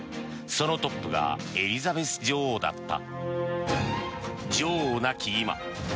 そのトップがエリザベス女王だった。